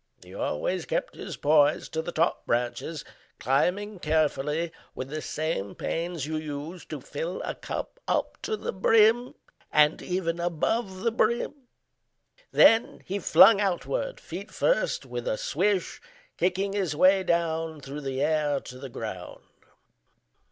He always kept his poise To the top branches, climbing carefully With the same pains you use to fill a cup Up to the brim, and even above the brim. Then he flung outward, feet first, with a swish, Kicking his way down through the air to the ground.